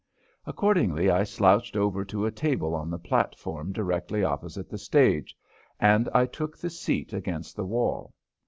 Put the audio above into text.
Accordingly, I slouched over to a table on the platform directly opposite the stage and I took the seat against the wall.